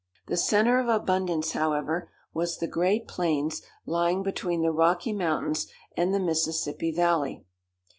The center of abundance, however, was the great plains lying between the Rocky Mountains and the Mississippi Valley.